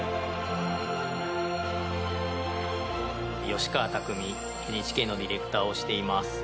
吉川拓見、ＮＨＫのディレクターをしています。